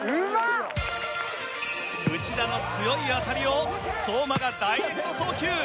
内田の強い当たりを相馬がダイレクト送球。